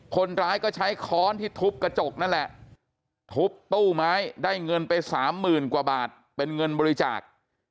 คนร้ายก็ใช้ค้อนที่ทุบกระจกนั่นแหละทุบตู้ไม้ได้เงินไปสามหมื่นกว่าบาทเป็นเงินบริจาค